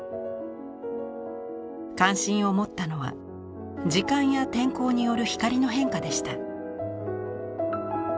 関心を持ったのは時間や天候による光の変化でした。